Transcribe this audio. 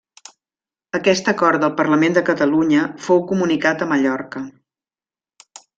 Aquest acord del Parlament de Catalunya fou comunicat a Mallorca.